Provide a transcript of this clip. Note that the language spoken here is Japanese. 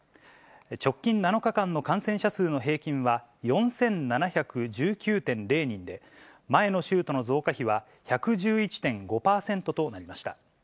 直近７日間の感染者数の平均は４７１９．０人で、前の週との増加比は１１１．５％となりました。